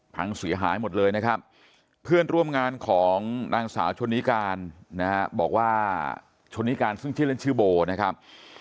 พังเสียหายหมดเลยนะครับเพื่อนร่วมงานของนางสาวชนนิการนะฮะบอกว่าชนนิการซึ่งชื่อเล่นชื่อโบนะครับ